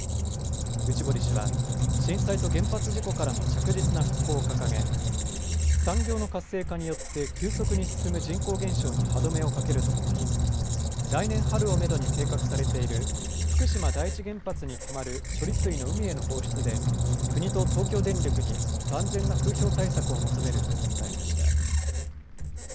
内堀氏は、震災と原発事故からの着実な復興を掲げ産業の活性化によって急速に進む人口減少に歯止めをかけるとともに来年春をめどに計画されている福島第一原発にたまる処理水の海への放出で国と東京電力に万全な風評対策を求めると訴えました。